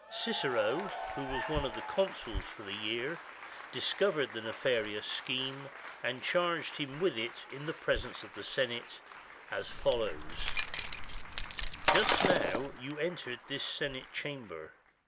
Cicero, who was one of the consuls for the year, discovered the nefari ous scheme and charged him with it in the presence of the Senate, as follows: — "Just now you entered this Senate Chamber.